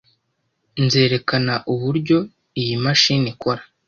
Nzerekana uburyo iyi mashini ikora.